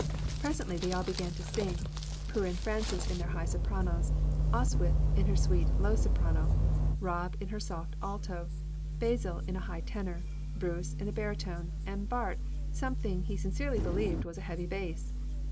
Presently they all began to sing, Prue and Frances in their high sopranos, Oswyth in her sweet, low soprano, Rob in her soft alto, Basil a high tenor, Bruce, a barytone, and Bart something he sincerely believed was a heavy bass.